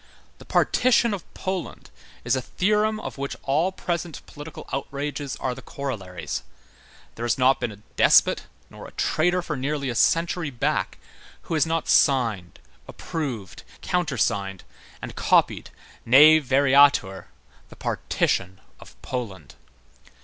The partition of Poland is a theorem of which all present political outrages are the corollaries. There has not been a despot, nor a traitor for nearly a century back, who has not signed, approved, counter signed, and copied, ne variatur, the partition of Poland.